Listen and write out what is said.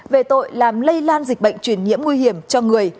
về tội làm lây lan dịch bệnh truyền nhiễm nguy hiểm cho người